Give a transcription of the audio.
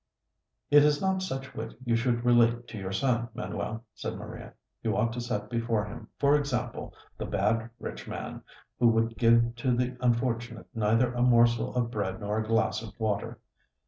"It is not such wit you should relate to your son, Manuel," said Maria. "You ought to set before him, for example, the bad rich man, who would give to the unfortunate neither a morsel of bread nor a glass of water.